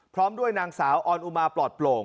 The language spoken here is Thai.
พร้อมด้วยนางสาวออนอุมาปลอดโปร่ง